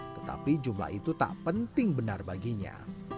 tetapi jumlah itu tak penting benar baginya